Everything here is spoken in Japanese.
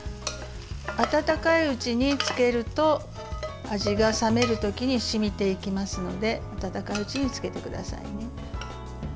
温かいうちにつけると味が、冷めるときに染みていきますので温かいうちにつけてください。